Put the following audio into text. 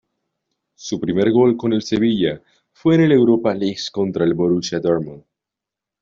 Su primer gol con el Sevilla fue en Europa League contra el Borussia Dortmund.